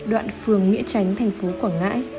đoạn phường nghĩa tránh thành phố quảng ngãi